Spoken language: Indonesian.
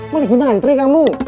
mau jadi mantri kamu